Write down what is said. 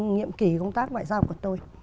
nhiệm kỳ công tác ngoại giao của tôi